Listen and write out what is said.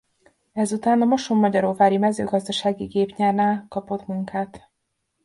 Ezután a Mosonmagyaróvári Mezőgazdasági Gépgyárnál kapott munkát.